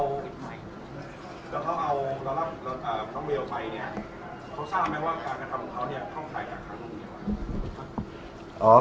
เขาทราบไม่ว่าอากาศทำเขาต้องห่ายกับเขา